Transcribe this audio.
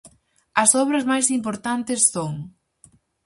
As obras máis importantes son: